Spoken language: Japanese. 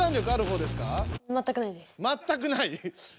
全くない？